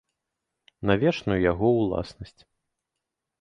На вечную яго ўласнасць.